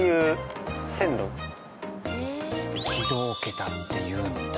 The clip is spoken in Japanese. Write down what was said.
軌道桁っていうんだ。